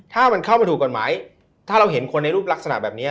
ถ้ามันเข้ามาถูกกฎหมายถ้าเราเห็นคนในรูปลักษณะแบบนี้